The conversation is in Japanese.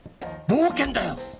冒険だよ！